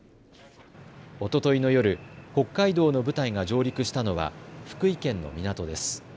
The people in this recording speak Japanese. おとといの夜、北海道の部隊が上陸したのは福井県の港です。